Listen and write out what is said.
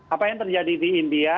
apa yang terjadi di india